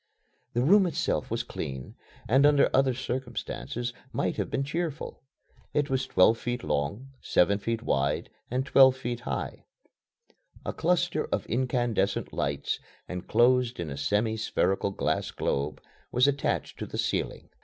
The room itself was clean, and under other circumstances might have been cheerful. It was twelve feet long, seven feet wide, and twelve high. A cluster of incandescent lights, enclosed in a semi spherical glass globe, was attached to the ceiling.